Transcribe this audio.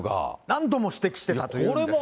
何度も指摘していたというんです。